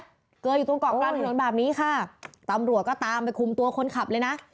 เจออยู่ตรงเกาะกลางถนนแบบนี้ค่ะตำรวจก็ตามไปคุมตัวคนขับเลยนะ